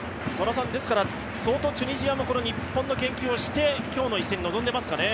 相当、チュニジアも日本の研究をして今日の一戦、臨んでますかね。